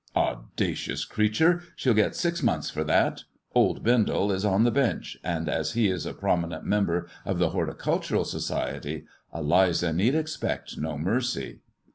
"Audacious creature, she'll get six months for that. Old Bendel is on the Bench, and as he is a prominent member of the Horticultural Society, Eliza need expect no mercy."